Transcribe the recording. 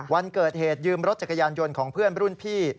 วันเกิดเหตุยืมรถจักรยานยนต์ของเพื่อนรุ่นพี่